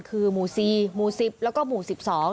คือหมู่สี่หมู่สิบแล้วก็หมู่สิบสอง